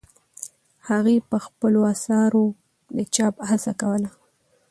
هغې په خپلو اثارو د چاپ هڅه کوله.